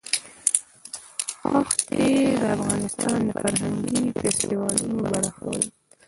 ښتې د افغانستان د فرهنګي فستیوالونو برخه ده.